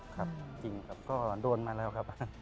ครับจริงครับก็โดนมาแล้วครับ